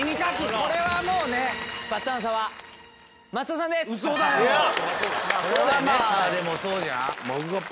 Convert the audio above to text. これはでもそうじゃん。